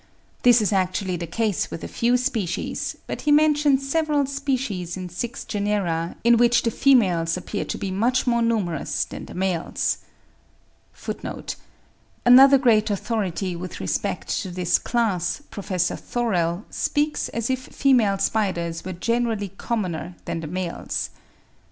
This is actually the case with a few species; but he mentions several species in six genera, in which the females appear to be much more numerous than the males. (91. Another great authority with respect to this class, Prof. Thorell of Upsala ('On European Spiders,' 1869 70, part i. p. 205), speaks as if female spiders were generally commoner than the males.)